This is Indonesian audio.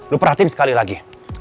lo perhatiin sekali lagi